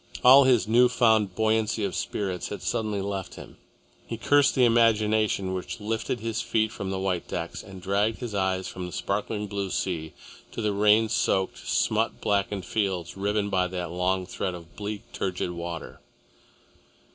All his new found buoyancy of spirits had suddenly left him. He cursed the imagination which lifted his feet from the white decks and dragged his eyes from the sparkling blue sea to the rain soaked, smut blackened fields riven by that long thread of bleak, turgid water.